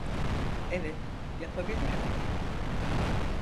Evet, yapabilirim.